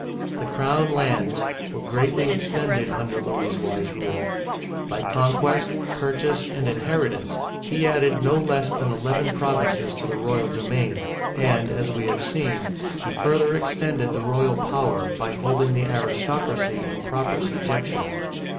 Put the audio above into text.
The crown lands were greatly extended under Louis's wise rule. By conquest, purchase, and inheritance he added no less than eleven provinces to the royal domain, and, as we have seen, he further extended the royal power by holding the aristocracy in proper subjection.